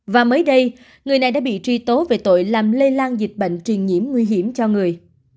và mới đây người này đã bị truy tố về tội làm lây lan dịch bệnh truyền nhiễm nguy hiểm cho người